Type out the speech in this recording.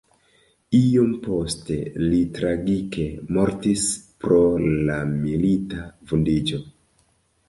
Iom poste li tragike mortis pro la milita vundiĝo.